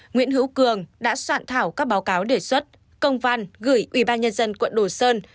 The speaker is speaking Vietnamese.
nguyễn hữu cường đã soạn thảo các báo cáo đề xuất công văn gửi ủy ban nhân dân quận đồ sơn